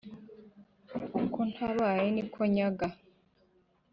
uko ntabaye ni ko nyaga